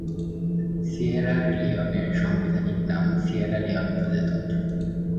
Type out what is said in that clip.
Sierra লিওনের সাংবিধানিক নাম সিয়েরা লিওন প্রজাতন্ত্র।